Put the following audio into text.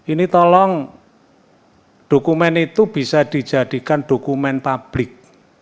ini tolong dokumen itu bisa dijadikan dokumen publik